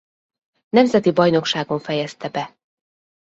Nemzeti Bajnokságon fejezte be.